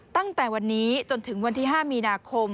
ตั้งแต่วันนี้จนถึงวันที่๕มีนาคม